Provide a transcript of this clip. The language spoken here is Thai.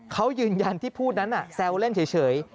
เขายืนยันที่พูดนั้นแซวเล่นเฉย